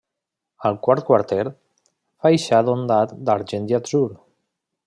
Al quart quarter, faixat ondat d'argent i atzur.